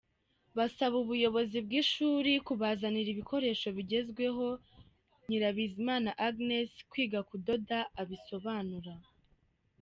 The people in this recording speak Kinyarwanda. Basaba buyobozi bwishuri kubazanira ibikoresho bigezweho; Nyirabizimana Agnes kwiga kudoda abisobanura.